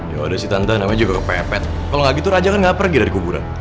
ya ada sih tante namanya juga kepepet kalau nggak gitu raja kan gak pergi dari kuburan